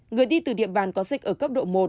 người đi từ địa bàn có dịch ở cấp độ một